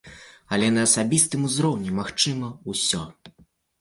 Але на асабістым узроўні магчыма ўсё!